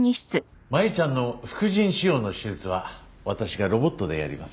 真由ちゃんの副腎腫瘍の手術は私がロボットでやります。